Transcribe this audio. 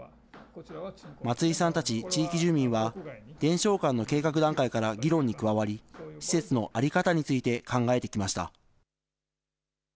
松井さんたち地域住民は伝承館の計画段階から議論に加わり、施設の在り方について考えてきました。